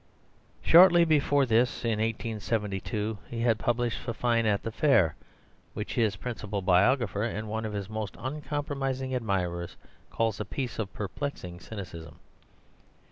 '" Shortly before this, in 1872, he had published Fifine at the Fair, which his principal biographer, and one of his most uncompromising admirers, calls a piece of perplexing cynicism.